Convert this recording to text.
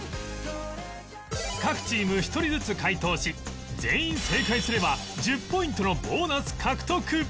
各チーム１人ずつ解答し全員正解すれば１０ポイントのボーナス獲得！